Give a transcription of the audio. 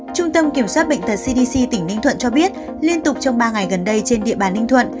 trung tâm kiểm soát bệnh tật cdc tỉnh ninh thuận cho biết liên tục trong ba ngày gần đây trên địa bàn ninh thuận